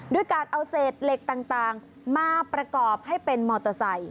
ด้วยการเอาเศษเหล็กต่างมาประกอบให้เป็นมอเตอร์ไซค